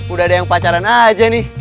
udah ada yang pacaran aja nih